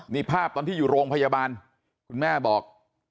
นี่ภาพตอนที่อยู่โรงพยาบาลคุณแม่บอก